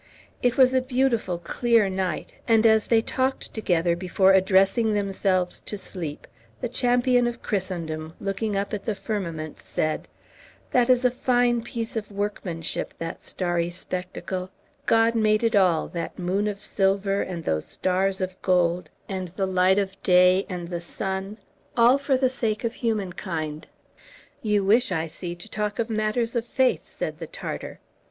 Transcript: It was a beautiful clear night, and, as they talked together before addressing themselves to sleep, the champion of Christendom, looking up at the firmament, said, "That is a fine piece of workmanship, that starry spectacle; God made it all, that moon of silver, and those stars of gold, and the light of day, and the sun, all for the sake of human kind." "You wish, I see, to talk of matters of faith," said the Tartar.